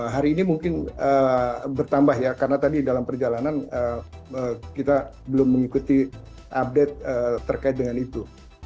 hari ini mungkin bertambah ya karena tadi dalam perjalanan kita belum mengikuti update terkait dengan itu